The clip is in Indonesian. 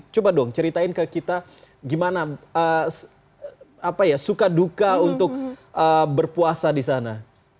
maka dong ceritain ke kita gimana apa ya suka duka untuk berpuasa di sana